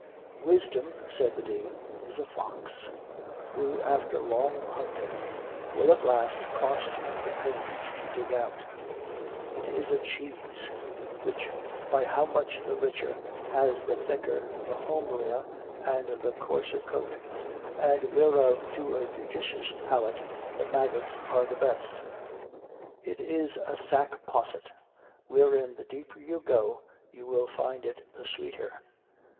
Wisdom (said the Dean) is a fox, who, after long hunting, will at last cost you the pains to dig out: it is a cheese, which, by how much the richer, has the thicker, the homelier, and the coarser coat, and whereof to a judicious palate the maggots are the best; it is a sack posset, wherein the deeper you go you will find it the sweeter.